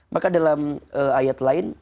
maka dalam ayat lain